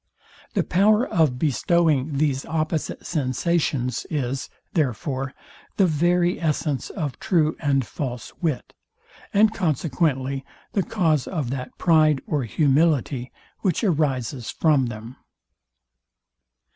The power of bestowing these opposite sensations is, therefore, the very essence of true and false wit; and consequently the cause of that pride or humility, which arises from them.